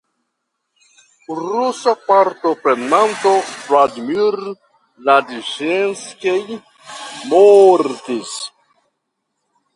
Rusa partoprenanto Vladimir Ladiĵenskij mortis.